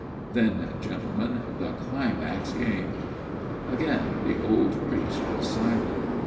" Then, gentlemen, the climax came." Again the old priest was silent.